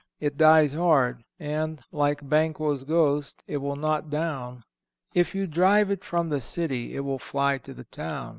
It dies hard and, like Banquo's ghost, it will not down. If you drive it from the city, it will fly to the town.